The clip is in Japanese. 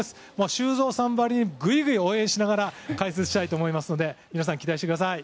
修造さんばりにぐいぐい応援しながら解説したいと思いますので皆さん、期待してください。